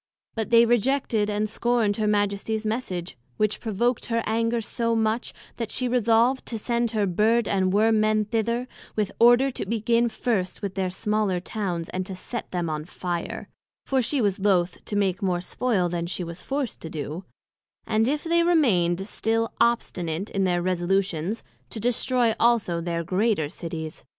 But they rejected and scorned her Majesties Message, which provoked her anger so much, that she resolved to send her Bird and Worm men thither, with order to begin first with their smaller Towns, and set them on fire (for she was loath to make more spoil then she was forced to do) and if they remain'd still obstinate in their resolutions, to destroy also their greater Cities.